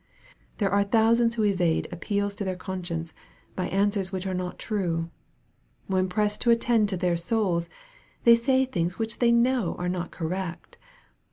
There are thousands who evade appeals to their conscience by answers which are not true. When pressed to attend to their souls, they say things which they know are not correct.